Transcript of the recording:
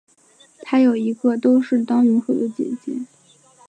她有一个都是当泳手的姐姐。